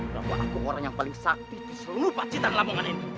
bahwa aku orang yang paling sakti di seluruh pacitan lamongan ini